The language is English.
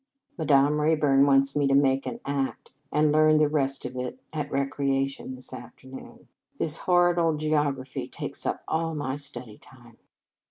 Madame Rayburn wants me to make an act, and learn the rest of it at re creation this afternoon. That horrid old geography takes up all my study time."